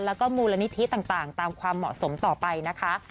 แล้วก็มูลนิธิต่างตามความเหมาะสมต่อไปนะคะ